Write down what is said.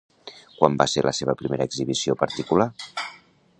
Quan va ser la seva primera exhibició particular?